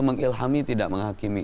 mengilhami tidak menghakimi